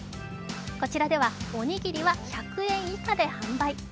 こちらでは、おにぎりは１００円以下で販売。